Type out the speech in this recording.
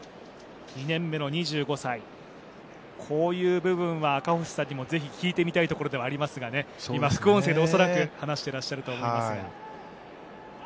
２年目の２５歳、こういう部分は赤星さんにもぜひ聞いてみたいところではありますが、今、副音声で恐らく話していらっしゃると思いますが。